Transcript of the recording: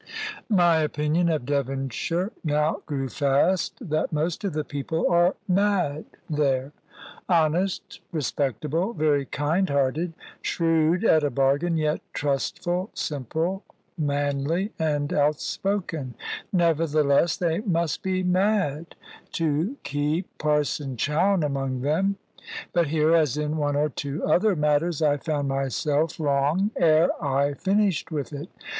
My opinion of Devonshire now grew fast that most of the people are mad there. Honest, respectable, very kind hearted, shrewd at a bargain, yet trustful, simple, manly, and outspoken, nevertheless they must be mad to keep Parson Chowne among them. But here, as in one or two other matters, I found myself wrong ere I finished with it.